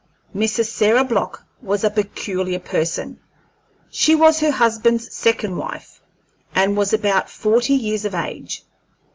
Mrs. Sarah Block was a peculiar person; she was her husband's second wife, and was about forty years of age.